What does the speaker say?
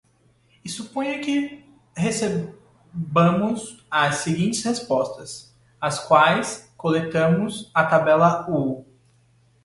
E suponha que recebamos as seguintes respostas, as quais coletamos na tabela u.